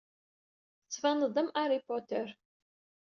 Tettbaned-d am Harry Potter.